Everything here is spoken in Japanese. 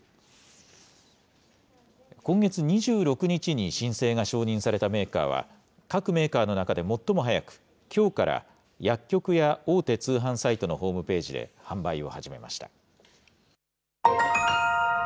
今月２６日に申請が承認されたメーカーは、各メーカーの中で最も早く、きょうから薬局や大手通販サイトのホームページで販売を始めました。